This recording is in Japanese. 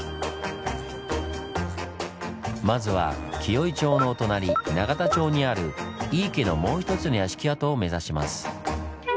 まずは紀尾井町のお隣永田町にある井伊家のもう一つの屋敷跡を目指します。